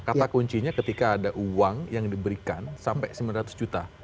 kata kuncinya ketika ada uang yang diberikan sampai sembilan ratus juta